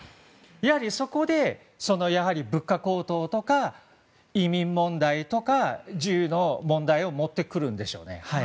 やはりそこで物価高騰とか移民問題とか銃の問題を持ってくるんでしょうね。